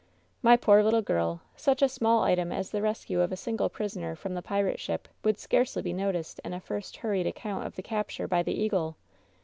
"My poor little girl, such a small item as the rescue of a single prisoner from the pirate ship would scarcely be noticed in a first hurried account of the capture by the Eagle.